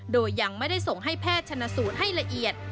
โดยยังไม่ได้ส่งให้แพทย์ชนสูตรให้ละเอียด